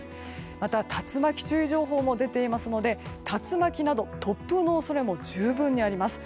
また、竜巻注意情報も出ていますので竜巻など突風の恐れも十分あります。